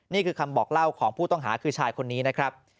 นี่คือคำบอกเล่าของผู้ต้องหาคือชายคนนี้นะครับ